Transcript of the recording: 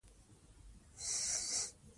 راځئ چې یو بل ته درناوی وکړو.